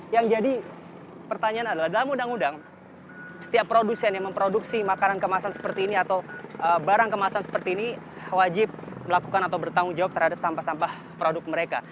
yang jadi pertanyaan adalah dalam undang undang setiap produsen yang memproduksi makanan kemasan seperti ini atau barang kemasan seperti ini wajib melakukan atau bertanggung jawab terhadap sampah sampah produk mereka